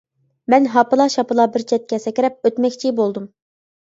مەن ھاپىلا-شاپىلا بىر چەتكە سەكرەپ ئۆتمەكچى بولدۇم.